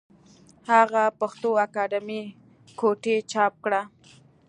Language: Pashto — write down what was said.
هغه پښتو اکادمي کوټې چاپ کړه